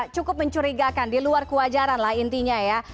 cukup mencurigakan di luar kewajaran lah intinya ya